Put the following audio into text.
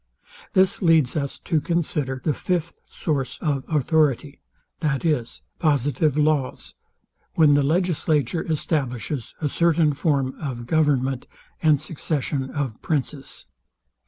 This leads us to consider the fifth source of authority, viz. positive laws; when the legislature establishes a certain form of government and succession of princes.